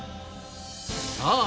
さあ！